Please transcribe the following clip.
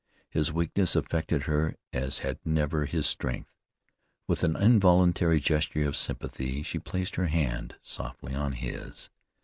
His weakness affected her as had never his strength. With an involuntary gesture of sympathy she placed her hand softly on his.